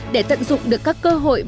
để tận dụng được các cơ hội